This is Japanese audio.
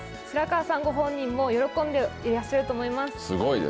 白川さんご本人も喜んでいらっしゃると思います。